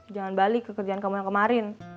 jangan balik ke kerjaan kamu yang kemarin